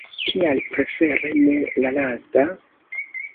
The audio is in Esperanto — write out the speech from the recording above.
Kial prefere ne la lasta?